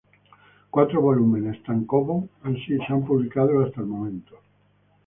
Cuatro volúmenes tankōbon han sido publicados hasta el momento.